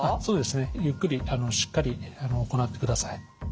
そうですねゆっくりしっかり行ってください。